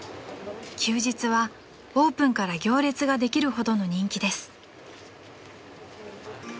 ［休日はオープンから行列ができるほどの人気です］